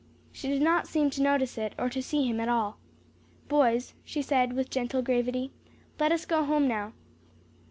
She did not seem to notice it, or to see him at all. "Boys," she said with gentle gravity, "let us go home now."